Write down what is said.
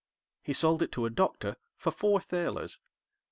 He sold it to a Doctor for four thalers.